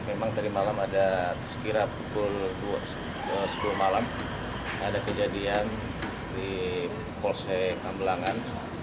memang tadi malam ada sekira pukul sepuluh malam ada kejadian di polsek ambelangan